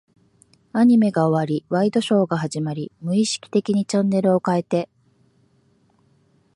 アニメが終わり、ワイドショーが始まり、無意識的にチャンネルを変えて、